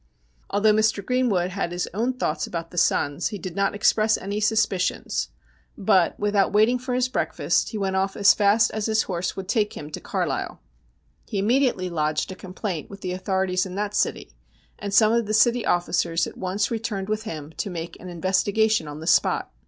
Although Mr. Greenwood had his own thoughts about the sons he did not express any suspicions, but, without waiting THE SHINING HAND 179 for his breakfast, he went off as fast as his horse would take him to Carlisle. He immediately lodged a complaint with the authorities in that city, and some of the city officers at once returned with him to make an investigation on the spot.